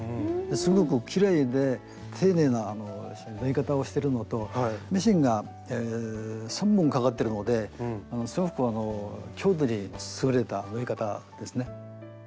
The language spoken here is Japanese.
すごくきれいで丁寧な縫い方をしてるのとミシンが３本かかってるのですごく強度に優れた縫い方ですね。